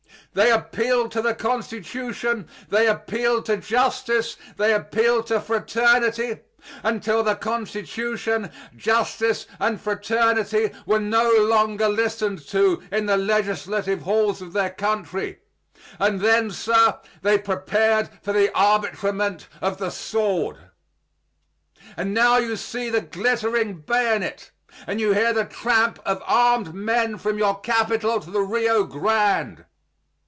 They appealed to the Constitution, they appealed to justice, they appealed to fraternity, until the Constitution, justice, and fraternity were no longer listened to in the legislative halls of their country, and then, sir, they prepared for the arbitrament of the sword; and now you see the glittering bayonet, and you hear the tramp of armed men from your capitol to the Rio Grande.